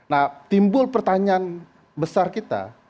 nah timbul pertanyaan besar kita